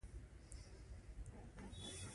لرغونپېژندنې مدرکونه راسره مرسته کوي.